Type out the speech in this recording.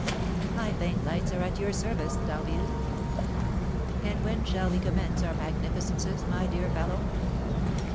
"My faint lights are at your service, D'Harville." "And when shall we commence our magnificences, my dear fellow?"